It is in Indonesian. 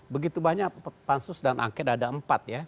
begitu banyak pansus dan angket ada empat ya